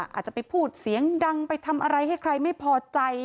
อาจจะไปพูดเสียงดังไปทำอะไรให้ใครไม่พอใจ